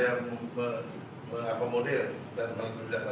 ya nanti dalam kesempatan itu tentu kita berbicara tentang kejadiannya